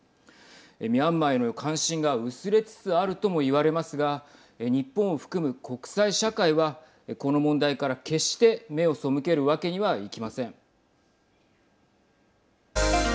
ミャンマーへの関心が薄れつつあるとも言われますが日本を含む国際社会はこの問題から決して目を背けるわけにはいきません。